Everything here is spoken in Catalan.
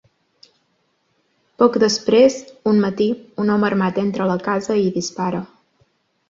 Poc després, un matí, un home armat entra a la casa i dispara.